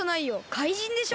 怪人でしょ？